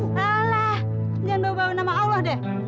alah jangan bawa bawa nama allah deh